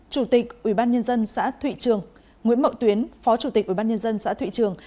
chủ tịch ubnd xã thụy trường nguyễn mậu tuyến phó chủ tịch ubnd xã thụy trường